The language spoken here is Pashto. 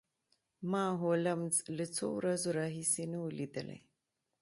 ما هولمز له څو ورځو راهیسې نه و لیدلی